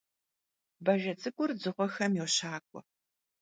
Bajje ts'ık'ur dzığuexem yoşak'ue.